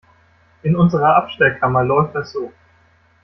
In unserer Abstellkammer läuft das so.